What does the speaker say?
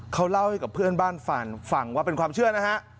เขาเล่าให้กับเพื่อนบ้านฟังฟังว่าเป็นความเชื่อนะฮะ